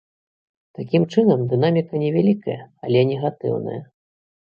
Такім чынам, дынаміка невялікая, але негатыўная.